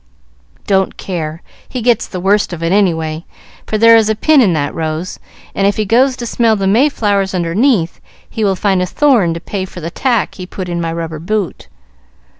"Don't care, he gets the worst of it any way, for there is a pin in that rose, and if he goes to smell the mayflowers underneath he will find a thorn to pay for the tack he put in my rubber boot.